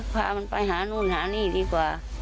พามันไปหานู่นหานี่ดีกว่า